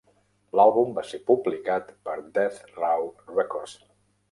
L'àlbum va ser publicat per Death Row Records.